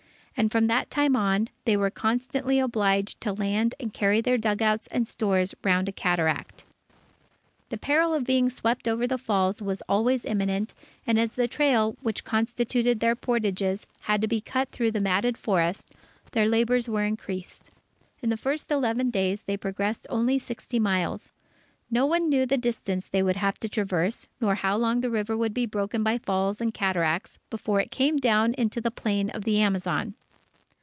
And from that time on, they were constantly obliged to land and carry their dugouts and stores round a cataract. The peril of being swept over the falls, was always imminent, and as the trail, which constituted their portages, had to be cut through the matted forest, their labours were increased. In the first eleven days, they progressed only sixty miles. No one knew the distance they would have to traverse, nor how long the river would be broken by falls and cataracts, before it came down into the plain of the Amazon.